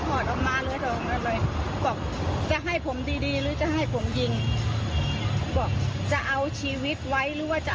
แล้วเขาก็ดึงแล้วเขาก็ดึงแหวนออกจากมือไปเลย